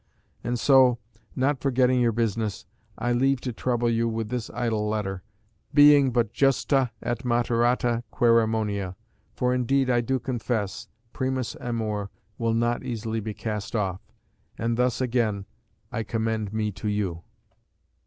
And so, not forgetting your business, I leave to trouble you with this idle letter; being but justa et moderata querimonia; for indeed I do confess, primus amor will not easily be cast off. And thus again I commend me to you."